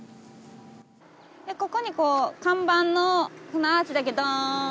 ここにこう看板のアーチだけドーンと。